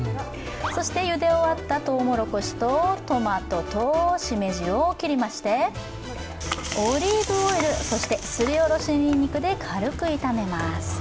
そしてゆで終わったとうもろこしとトマトと、しめじを切りまして、オリーブオイル、そして、すり下ろしにんにくで軽く炒めます。